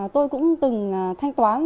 tôi cũng từng thanh toán